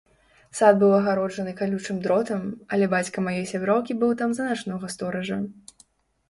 Сад быў агароджаны калючым дротам, але бацька маёй сяброўкі быў там за начнога стоража.